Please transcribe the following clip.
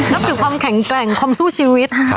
นับถือความแข็งแกร่งความสู้ชีวิต